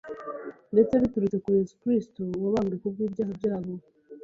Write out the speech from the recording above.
ndetse biturutse kuri Yesu Kristo wabambwe ku bw’ibyaha byabo.